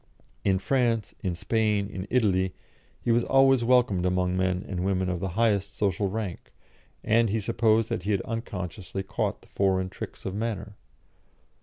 In France, in Spain, in Italy, he was always welcomed among men and women of the highest social rank, and he supposed that he had unconsciously caught the foreign tricks of manner.